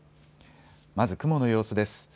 まず雲の様子です。